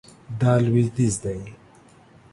دا لویدیځ دی